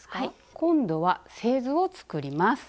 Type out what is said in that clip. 今度は製図を作ります。